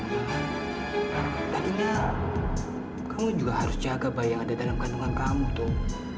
tadinya kamu juga harus jaga bayi yang ada dalam kandungan kamu tuh